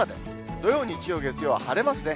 土曜、日曜、月曜は晴れますね。